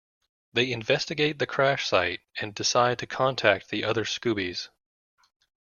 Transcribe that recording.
They investigate the crash site and decide to contact the other Scoobies.